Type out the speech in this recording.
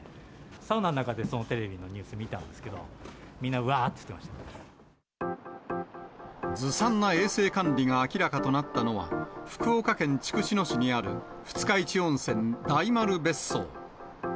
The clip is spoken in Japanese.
サウナの中で、そのテレビのニュース見たんですけど、みんな、わーって言ってまずさんな衛生管理が明らかとなったのは、福岡県筑紫野市にある二日市温泉大丸別荘。